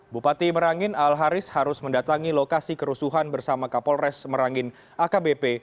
bupati merangin al haris harus mendatangi lokasi kerusuhan bersama kapolres merangin akbp